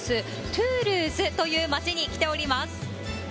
トゥールーズという町に来ております。